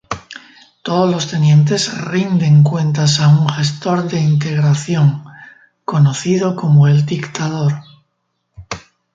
Todos los tenientes rinden cuentas a un gestor de integración; conocido como el dictador.